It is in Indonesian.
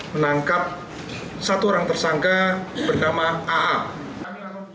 menangkap satu orang tersangka bernama aa